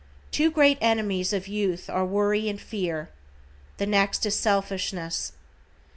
Two great enemies of youth are worry and fear. The next is selfishness.